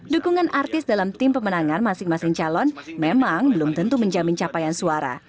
dukungan artis dalam tim pemenangan masing masing calon memang belum tentu menjamin capaian suara